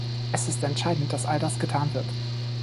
Es ist entscheidend, dass all das getan wird.